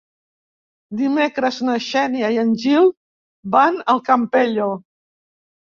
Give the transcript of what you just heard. Dimecres na Xènia i en Gil van al Campello.